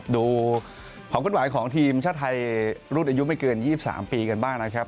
ดูความขึ้นไหวของทีมชาติไทยรุ่นอายุไม่เกิน๒๓ปีกันบ้างนะครับ